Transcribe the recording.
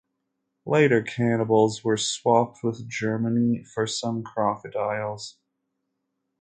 Later the "cannibals" were swapped with Germany for some crocodiles.